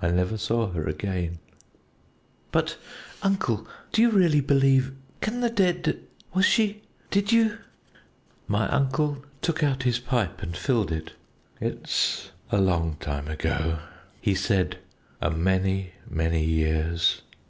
"I never saw her again " "But, uncle, do you really believe? Can the dead? was she did you " My uncle took out his pipe and filled it. "It's a long time ago," he said, "a many, many years.